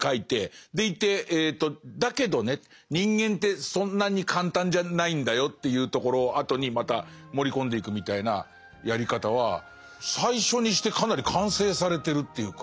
でいてだけどね人間ってそんなに簡単じゃないんだよっていうところをあとにまた盛り込んでいくみたいなやり方は最初にしてかなり完成されてるっていうか。